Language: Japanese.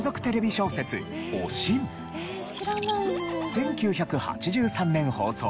１９８３年放送。